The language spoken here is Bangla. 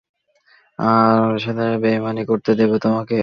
আরিশেমের সাথে বেইমানি করতে দেব না তোমাকে।